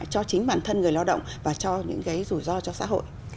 cho chính bản thân người lao động và cho những cái rủi ro cho xã hội